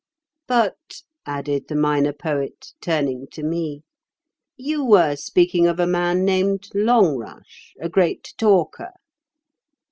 "But," added the Minor Poet, turning to me, "you were speaking of a man named Longrush, a great talker."